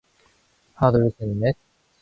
하나, 둘, 셋, 넷.